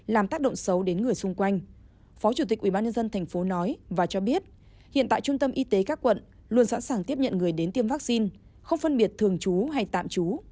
làm tác động xấu đến người xung quanh phó chủ tịch ubnd tp nói và cho biết hiện tại trung tâm y tế các quận luôn sẵn sàng tiếp nhận người đến tiêm vaccine không phân biệt thường trú hay tạm trú